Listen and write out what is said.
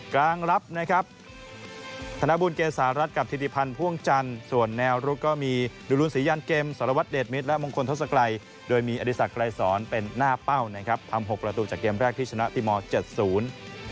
กลางรับนะครับธนบุญเกษารัฐกับธิติพันธ์พ่วงจันทร์ส่วนแนวรุกก็มีดุลศรียันเกมสารวัตรเดชมิตรและมงคลทศกรัยโดยมีอดีศักดรายสอนเป็นหน้าเป้านะครับทำหกประตูจากเกมแรกที่ชนะติมอลเจ็ดศูนย์